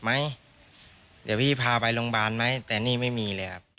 ระหว่างที่